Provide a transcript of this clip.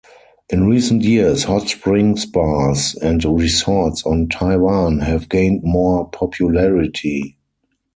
In recent years, hot spring spas and resorts on Taiwan have gained more popularity.